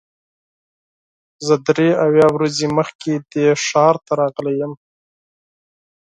زه درې اویا ورځې مخکې دې ښار ته راغلی یم.